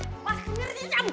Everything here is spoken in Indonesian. itu kan nyokap yang meheli